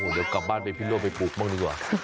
เดี๋ยวกลับบ้านไปพิโรธไปปลูกบ้างดีกว่า